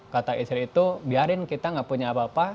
kata istri itu biarin kita gak punya apa apa